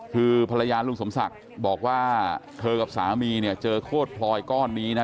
คือภรรยาลุงสมศักดิ์บอกว่าเธอกับสามีเนี่ยเจอโคตรพลอยก้อนนี้นะ